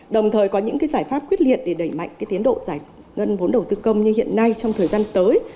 đồng thời có những giải pháp quyết liệt để đẩy mạnh tiến độ giải ngân vốn đầu tư công như hiện nay trong thời gian tới